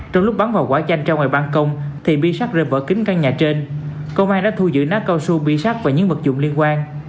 trong lúc bắn vào quả chanh ra ngoài bàn công thì bi sắt rơi vỡ kính căn nhà trên công an đã thu giữ nát cao su bi sắt và những mật dụng liên quan